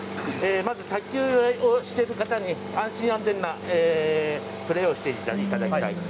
まず卓球をする方に安心安全なプレーをしていただきたい。